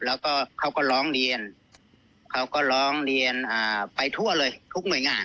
แล้วก็เขาก็ร้องเรียนเขาก็ร้องเรียนไปทั่วเลยทุกหน่วยงาน